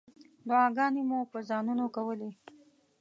دعاګانې مو په ځانونو کولې.